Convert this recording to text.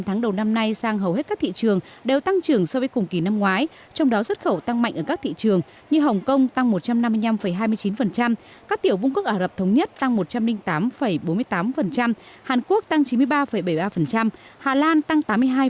chín tháng đầu năm nay sang hầu hết các thị trường đều tăng trưởng so với cùng kỳ năm ngoái trong đó xuất khẩu tăng mạnh ở các thị trường như hồng kông tăng một trăm năm mươi năm hai mươi chín các tiểu vương quốc ả rập thống nhất tăng một trăm linh tám bốn mươi tám hàn quốc tăng chín mươi ba bảy mươi ba hà lan tăng tám mươi hai